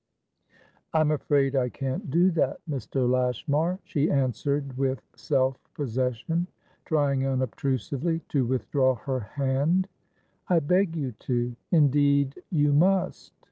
"I'm afraid I can't do that, Mr. Lashmar," she answered with self possession; trying, unobtrusively, to withdraw her hand. "I beg you to! Indeed, you must."